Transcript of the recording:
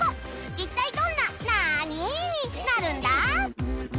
一体どんな「なに」になるんだ？